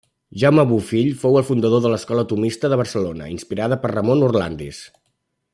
Jaume Bofill fou el fundador de l'Escola tomista de Barcelona, inspirada per Ramon Orlandis.